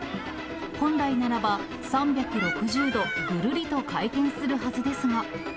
本来ならば、３６０度、ぐるりと回転するはずですが。